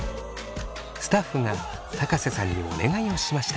スタッフが瀬さんにお願いをしました。